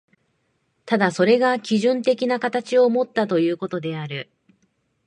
ただそれが基準的な形をもったということである。